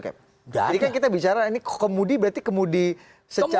jadi kan kita bicara ini kemudi berarti kemudi secara